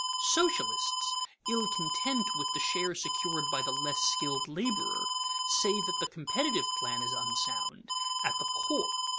Socialists, ill content with the share secured by the less skilled laborer, say that the competitive plan is unsound at the core.